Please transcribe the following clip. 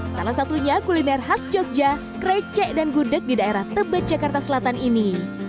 salah satunya kuliner khas jogja krecek dan gudeg di daerah tebet jakarta selatan ini